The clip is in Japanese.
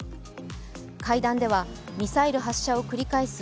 会談では、ミサイル発射を繰り返す